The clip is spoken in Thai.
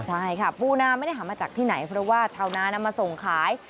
ใช่ค่ะปูนาไม่ได้หามาจากที่ไหนเพราะว่าชาวนานำมาส่งขาย